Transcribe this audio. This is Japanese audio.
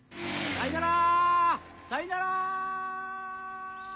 さいなら！